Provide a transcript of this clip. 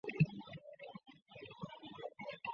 这个漏洞由于触发条件简单而备受关注。